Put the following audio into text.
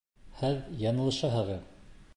Һеҙ яңылышаһығыҙ